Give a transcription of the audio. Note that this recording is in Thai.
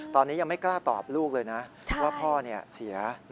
ตอนนี้ยังไม่กล้าตอบลูกเลยนะว่าพ่อเสีย